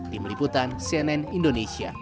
di meliputan cnn indonesia